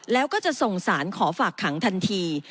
แล้วก็จะส่งสารขอฝากขังทันที